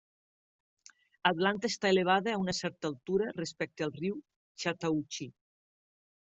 Atlanta està elevada a una certa altura respecte al riu Chattahoochee.